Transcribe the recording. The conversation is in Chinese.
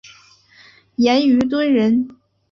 严虞敦人。